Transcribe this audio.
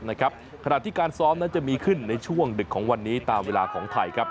ขณะที่การซ้อมนั้นจะมีขึ้นในช่วงดึกของวันนี้ตามเวลาของไทยครับ